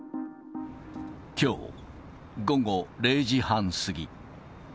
きょう、午後０時半過ぎ。